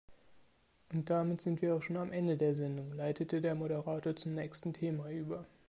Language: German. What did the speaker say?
Und damit sind wir auch schon am Ende der Sendung, leitete der Moderator zum nächsten Thema über.